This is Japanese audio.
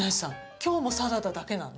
今日もサラダだけなの？